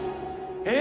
「えっ！？」